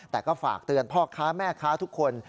แต่ก็ฝากเตือนพ่อค้าแม่ค้าทุกคน